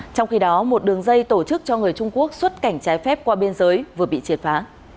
trong khi đó một đường dây tổ chức cho người trung quốc xuất cảnh trái phép qua biên giới vừa bị triệt phá